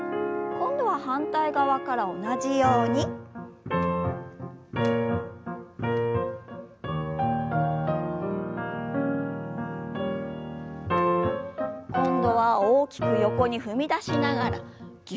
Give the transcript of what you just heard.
今度は大きく横に踏み出しながらぎゅっと。